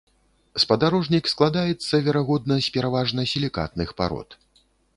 Спадарожнік складаецца, верагодна, з пераважна сілікатных парод.